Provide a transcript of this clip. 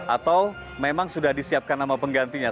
atau memang sudah disiapkan nama penggantinya